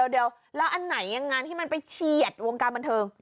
เดี๋ยวแล้วอันไหนยังไงที่มันไปเฉียดวงการบันเทิง